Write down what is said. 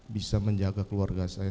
bisa menjaga keluarga saya